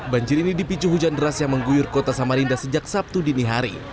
banjir ini dipicu hujan deras yang mengguyur kota samarinda sejak sabtu dini hari